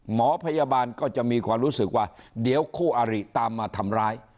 หมอพยาบาลก็จะมีความรู้สึกว่าเดี๋ยวคู่อาริตามมาทำร้าย